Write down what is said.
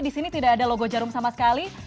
di sini tidak ada logo jarum sama sekali